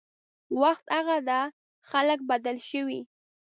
وخت هغه ده خلک بدل شوي